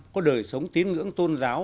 có đời sống tín ngưỡng tôn giáo